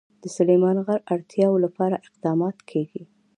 د سلیمان غر د اړتیاوو لپاره اقدامات کېږي.